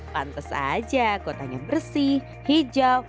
pantes aja kotanya bersih hijau